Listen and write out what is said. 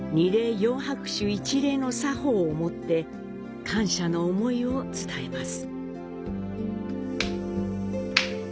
四拍手一礼の作法をもって感謝の思いを伝えます。